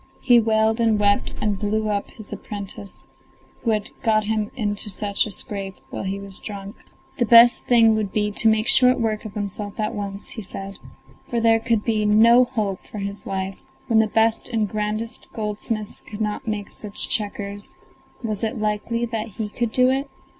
He wailed and wept and blew up his apprentice, who had got him into such a scrape while he was drunk. The best thing would be to make short work of himself at once, he said, for there could be no hope for his life; when the best and grandest goldsmiths could not make such checkers, was it likely that he could do it?